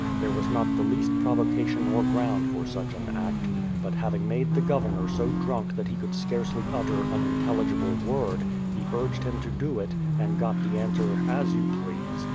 There was not the least provocation or ground for such an act, but having made the Governor so drunk that he could scarcely utter an intelligible word, he urged him to do it, and got the answer "as you please."